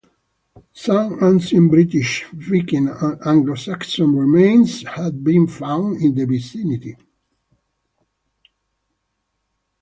Some Ancient British, Viking and Anglo-Saxon remains have been found in the vicinity.